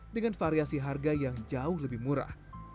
dengan variasi harga yang jauh lebih murah